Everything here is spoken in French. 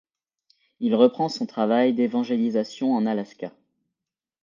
Il reprend son travail d’évangélisation en Alaska.